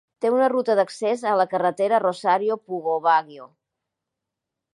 Té una ruta d'accés a la carretera Rosario-Pugo-Baguio.